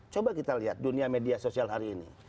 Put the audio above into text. coba kita lihat dunia media sosial hari ini